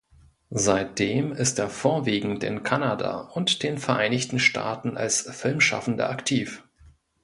Seitdem ist er vorwiegend in Kanada und den Vereinigten Staaten als Filmschaffender aktiv.